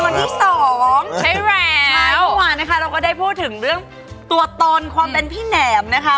ใช่พี่หวานนะคะเราก็ได้พูดถึงเรื่องตัวตนความเป็นพี่แหนมนะคะ